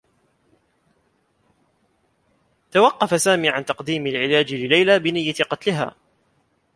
توقّف سامي عن تقديم العلاج لليلى بنيّة قتلها.